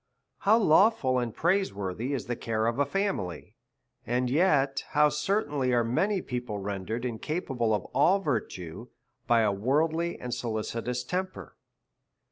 How lawful and praise worthy is the care of a fa DEVOUT AND HOLY LIFE. 67 niily, and yet how ctMtainly are many people render ed incapable of all virtue by a worldly and solicitous temper